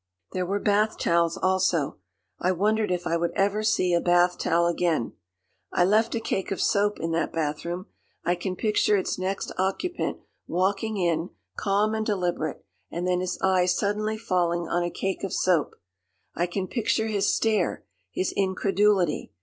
There were bath towels also. I wondered if I would ever see a bath towel again. I left a cake of soap in that bathroom. I can picture its next occupant walking in, calm and deliberate, and then his eye suddenly falling on a cake of soap. I can picture his stare, his incredulity.